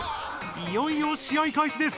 いよいよ試合開始です。